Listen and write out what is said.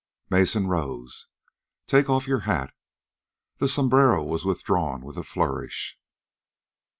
Mason rose. "Take off your hat." The sombrero was withdrawn with a flourish.